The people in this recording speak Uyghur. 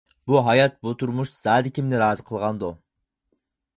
بۇ ھايات، بۇ تۇرمۇش زادى كىمنى رازى قىلغاندۇ.